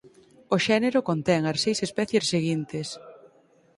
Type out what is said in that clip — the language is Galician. O xénero contén as seis especies seguintes